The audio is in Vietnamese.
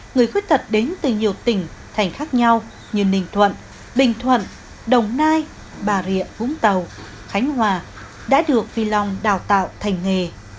người khuyết tật đến từ nhiều tỉnh thành khác nhau như ninh thuận bình thuận đồng nai bà rịa vũng tàu khánh hòa đã được phi long đào tạo thành nghề